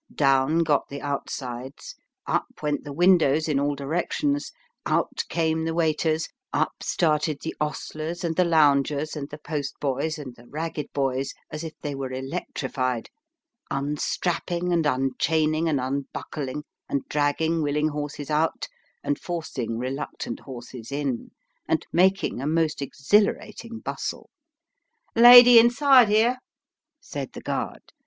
Down got the outsides, up went the windows in all directions, out came the waiters, up started the ostlers, and the loungers, and the postboys, and the ragged boys, as if they were Alarming Missive. 307 electrified unstrapping, and unchaining, and unbuckling, and drag ging willing horses out, and forcing reluctant horses in, and making a most exhilarating bustle. " Lady inside, hero !" said the guard.